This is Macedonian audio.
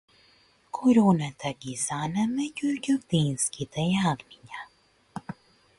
Короната ги занеме ѓурѓовденските јагниња